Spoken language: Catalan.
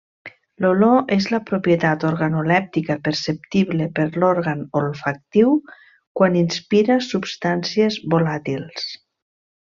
L'olor és la propietat organolèptica perceptible por l'òrgan olfactiu quan inspira substàncies volàtils.